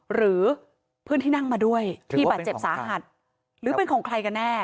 หรือเพื่อนที่นั่งมาด้วยที่บาดเจ็บสาหัสหรือเป็นของใครกันแน่